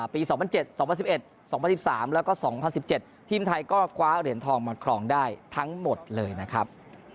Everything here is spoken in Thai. ปี๒๐๐๗๒๐๑๑๒๐๑๓แล้วก็๒๐๑๗ทีมไทยก็คว้าเหรียญทองมาครองได้ทั้งหมดเลยนะครับ